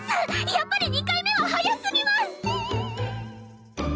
やっぱり２回目は早すぎます！